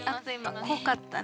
濃かったね